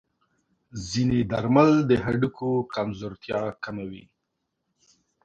ځینې درمل د هډوکو کمزورتیا کموي.